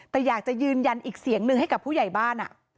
แต่อยากจะยืนยันอีกเสียงหนึ่งให้กับผู้ใหญ่บ้าน